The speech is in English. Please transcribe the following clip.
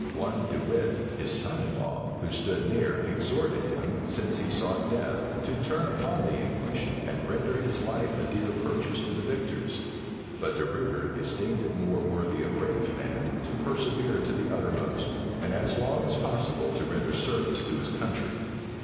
One De Witte, his son in law, who stood near, exhorted him, since he sought death, to turn upon the English, and render his life a dear purchase to the victors. But De Ruyter esteemed it more worthy a brave man to persevere to the uttermost, and, as long as possible, to render service to his country.